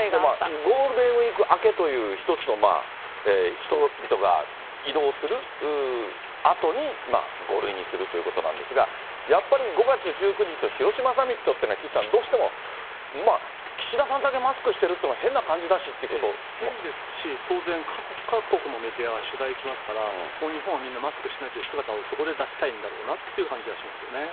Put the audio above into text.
ゴールデンウィーク明けという一つの人々が移動するあとに、５類にするっていうことなんですが、やっぱり５月１９日の広島サミットというのは、岸さん、どうしても岸田さんだけマスクしてるっていうのは変な感じだしっ変ですし、当然各国のメディアも取材に来ますから、もう日本はみんなマスクしてない姿をそこで出したいんだろうなって感じはしますけどね。